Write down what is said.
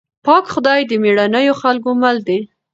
پاک خدای د مېړنيو خلکو مل دی.